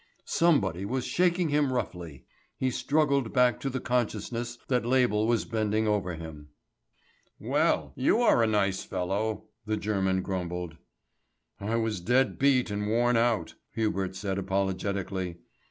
Somebody was shaking him roughly. He struggled back to the consciousness that Label was bending over him. "Well, you are a nice fellow," the German grumbled. "I was dead beat and worn out," Hubert said apologetically.